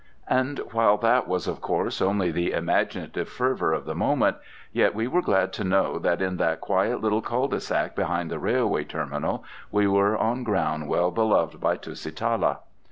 And while that was of course only the imaginative fervour of the moment, yet we were glad to know that in that quiet little cul de sac behind the railway terminal we were on ground well loved by Tusitala.